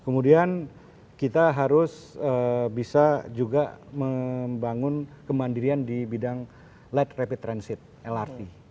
kemudian kita harus bisa juga membangun kemandirian di bidang light rapid transit lrt